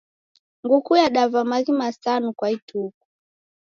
Nguku yadava maghi masanu kwa ituku.